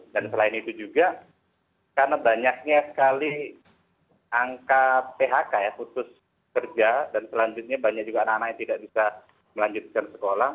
dan selain itu juga karena banyaknya sekali angka phk ya khusus kerja dan selanjutnya banyak juga anak anak yang tidak bisa melanjutkan sekolah